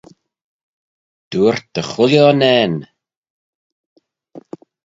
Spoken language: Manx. Dooyrt dy chooilley unnane.